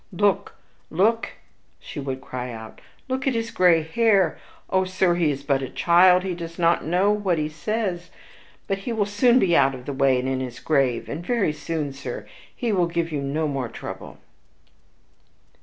"Look, look," she would cry out, "look at his gray hairs! O, sir! he is but a child; he does not know what he says; and he will soon be out of the way and in his grave; and very soon, sir, he will give you no more trouble."